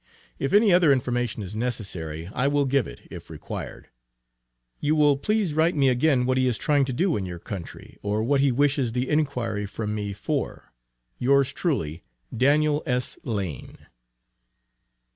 If any other information is necessary I will give it, if required. You will please write me again what he is trying to do in your country, or what he wishes the inquiry from me for. Yours, truly, DANIEL S. LANE.